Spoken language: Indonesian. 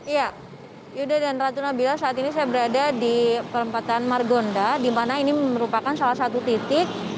ya yuda dan ratu nabila saat ini saya berada di perempatan margonda di mana ini merupakan salah satu titik